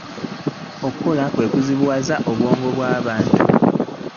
okukola kwogiwaza obwongo bw'abantu.